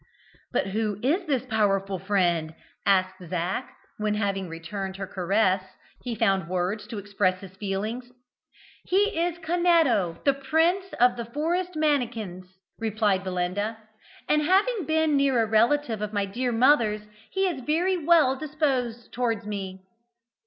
"But who is this powerful friend?" asked Zac, when, having returned her caress, he found words to express his feelings. "He is Canetto, the Prince of the Forest Mannikins," replied Belinda; "and having been a near relative of my dear mother's, he is very well disposed towards me."